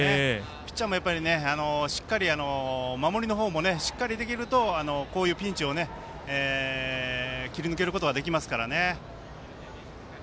ピッチャーもしっかり守りの方もしっかりできるとこういうピンチを切り抜けることができますからね。